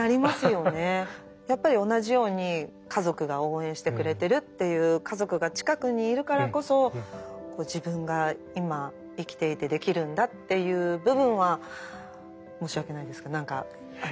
やっぱり同じように家族が応援してくれてるっていう家族が近くにいるからこそ自分が今生きていてできるんだっていう部分は申し訳ないんですが何か一緒だなと。